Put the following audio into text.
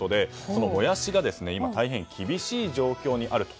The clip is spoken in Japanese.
そのもやしが今、大変厳しい状況にあると。